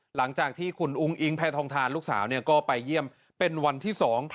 หลังจากที่คุณอุ้งอิงแพทองทานลูกสาวก็ไปเยี่ยมเป็นวันที่๒